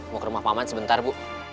mau ke rumah paman sebentar bu